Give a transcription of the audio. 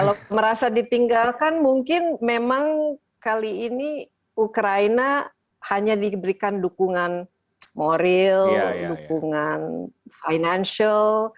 tapi ini bisa ditinggalkan mungkin memang kali ini ukraina hanya diberikan dukungan moral dukungan finansial